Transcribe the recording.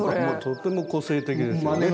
とても個性的ですよね。